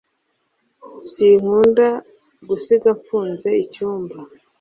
Sinkunda gusiga mfunze icyumba